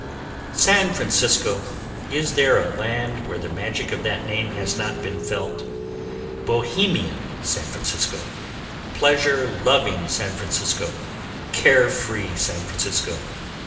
San Francisco! Is there a land where the magic of that name has not been felt? Bohemian San Francisco! Pleasure loving San Francisco! Care free San Francisco!